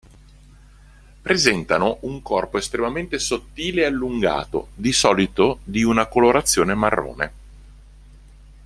Presentano un corpo estremamente sottile e allungato, di solito di una colorazione marrone.